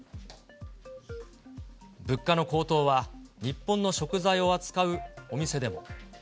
物価の高騰は、日本の食材を扱うお店でも。